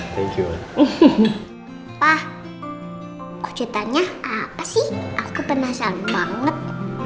pak kejutannya apa sih aku penasaran banget